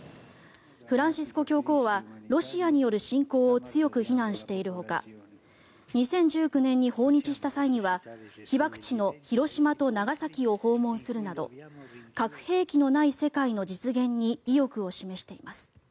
フランシスコ教皇はロシアによる侵攻を強く非難しているほか２０１９年に訪日した際には被爆地の広島と長崎を訪問するなど核兵器のない世界の実現に意欲を示しています。